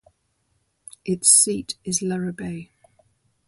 Its seat is Luribay.